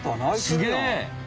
すげえ！